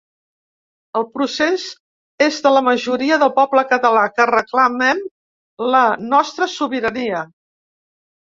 El procés és de la majoria del poble català que reclamem la nostra sobirania.